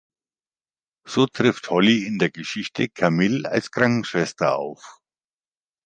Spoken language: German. So trifft Holly in der Geschichte „Camille“ als Krankenschwester auf.